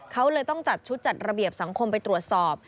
เขาเลยต้องจัดชุดจัดระเบียบสังคมไปตรวจสอบ